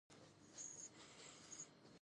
پاخه سړک ته څېرمه هدیره وه.